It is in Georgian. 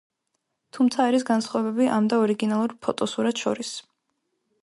თუმცა, არის განსხვავებები ამ და ორიგინალურ ფოტოსურათს შორის.